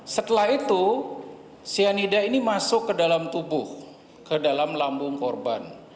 setelah itu cyanida ini masuk ke dalam tubuh ke dalam lambung korban